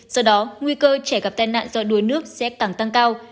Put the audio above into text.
do đó nguy cơ trẻ gặp tai nạn do đuối nước sẽ càng tăng cao